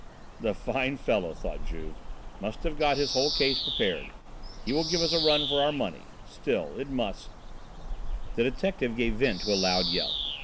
"The fine fellow," thought Juve, "must have got his whole case prepared he will give us a run for our money; still it must " The detective gave vent to a loud yell.